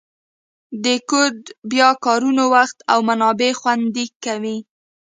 د کوډ بیا کارونه وخت او منابع خوندي کوي.